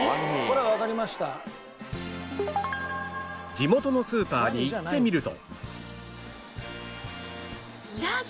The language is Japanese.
地元のスーパーに行ってみると